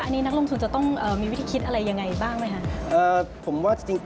อันนี้นักลงทุนจะต้องมีวิธีคิดอะไรยังไงบ้างไหมคะ